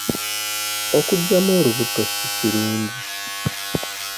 Okuggyamu olubuto si kirungi.